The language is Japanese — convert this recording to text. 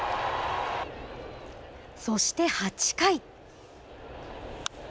そして８回。